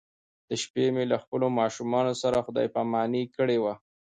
د شپې مې له خپلو ماشومانو سره خدای پاماني کړې وه.